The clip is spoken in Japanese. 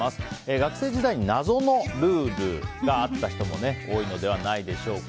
学生時代に謎のルールがあった人も多いのではないでしょうか。